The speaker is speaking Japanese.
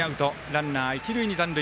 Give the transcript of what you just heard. ランナー、一塁に残塁。